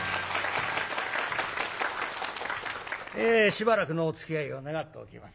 しばらくのおつきあいを願っておきます。